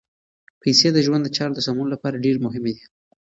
پیسې د ژوند د چارو د سمون لپاره ډېرې مهمې دي.